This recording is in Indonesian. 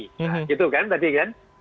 nah itu kan tadi kan